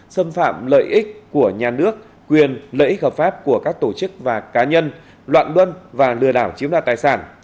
xâm phạm lợi ích của nhà nước quyền lợi ích hợp pháp của các tổ chức và cá nhân loạn bân và lừa đảo chiếm đoạt tài sản